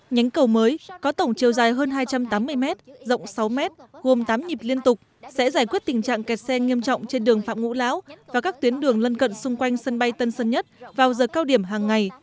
nhánh cầu mới có tổng chiều dài hơn hai trăm tám mươi m rộng sáu m gồm tám nhịp liên tục sẽ giải quyết tình trạng kẹt xe nghiêm trọng trên đường phạm ngũ lão và các tuyến đường lân cận xung quanh sân bay tân sơn nhất vào giờ cao điểm hàng ngày